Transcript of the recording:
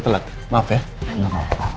hey mr debaran